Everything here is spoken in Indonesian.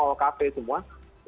untuk menggunakan lagu